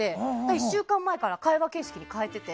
１週間前から会話形式に変えてて。